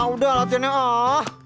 udah latihannya ah